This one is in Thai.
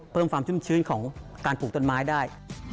เพิ่มความชุ่มชื้นของการปลูกต้นไม้ได้